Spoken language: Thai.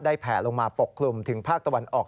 แผ่ลงมาปกคลุมถึงภาคตะวันออก